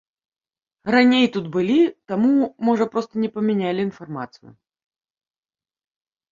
Раней тут былі, таму можа проста не памянялі інфармацыю.